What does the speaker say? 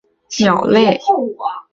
松岭鸟属是白垩纪早期的史前鸟类。